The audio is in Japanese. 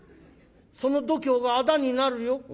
その度胸があだになるよ」。